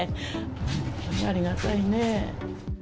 本当にありがたいね。